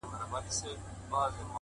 غر که لوړ دئ، لار پر د پاسه ده.